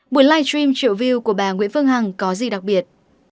buổi live stream triệu view của bà nguyễn phương hằng có gì đặc biệt